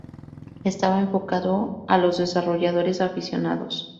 Estaba enfocado a los desarrolladores aficionados.